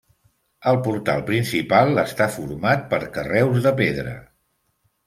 El portal principal està format per carreus de pedra.